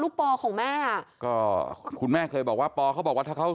ถ้าเป็นสุภาพบรุษน่าจะจำคำนี้ได้นะ